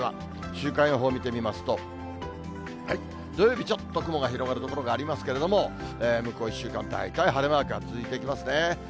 週間予報見てみますと、土曜日、ちょっと雲が広がる所がありますけれども、向こう１週間、大体晴れマークが続いていきますね。